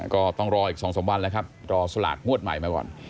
ก็ต้องรออีก๒๓วันแล้วครับรอสลากงวดใหม่มาก่อน